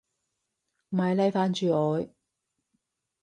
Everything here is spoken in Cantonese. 咪嚟煩住我！